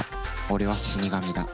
俺は死神だ。